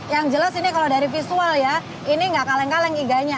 yang jelas ini kalau dari visual ya ini nggak kaleng kaleng iganya